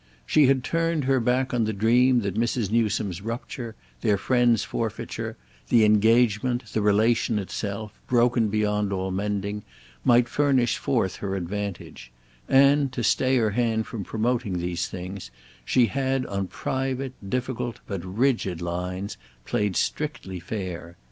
She had turned her back on the dream that Mrs. Newsome's rupture, their friend's forfeiture—the engagement, the relation itself, broken beyond all mending—might furnish forth her advantage; and, to stay her hand from promoting these things, she had on private, difficult, but rigid, lines, played strictly fair.